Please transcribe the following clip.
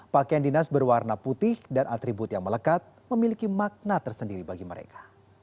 pakaian dinas berwarna putih dan atribut yang melekat memiliki makna tersendiri bagi mereka